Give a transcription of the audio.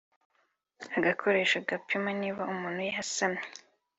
Agakoresho gapima niba umuntu yasamye (pregnancy test tool)